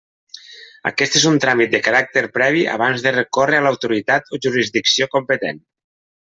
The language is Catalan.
Aquest és un tràmit de caràcter previ abans de recórrer a l'autoritat o jurisdicció competent.